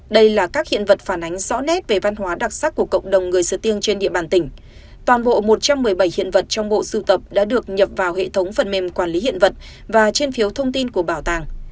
đây là các hiện vật phản ánh rõ nét về văn hóa đặc sắc của cộng đồng người sờ tiên trên địa bàn tỉnh toàn bộ một trăm một mươi bảy hiện vật trong bộ sưu tập đã được nhập vào hệ thống phần mềm quản lý hiện vật và trên phiếu thông tin của bảo tàng